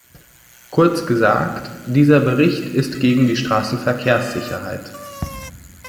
Kurz gesagt, dieser Bericht ist gegen die Straßenverkehrssicherheit.